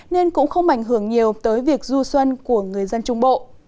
nên cũng không ảnh hưởng nhiều tới việc du xuân của người dân trung bộ